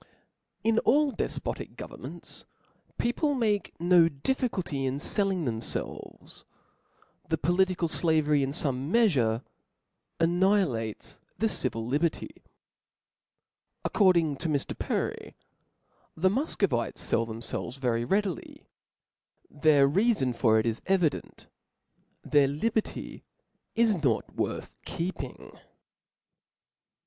In all dcfpotic governments people make no difficulty in felling thcmfelves ; the political flavery in fome meafure annihilates the civil liberty. According to Mr. Perry {^\ the Mufcovites fell f'^^^^^*^* themfelves very readily : their reafon for it is evi Ruin^. dent 5 their liberty is not worth keeping.